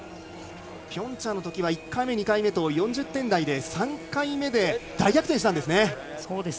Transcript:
ピョンチャンのときは１回目、２回目と４０点台で３回目で大逆転したんですね。